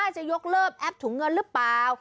จะยกเลิกแอปถุงเงินหรือเปล่า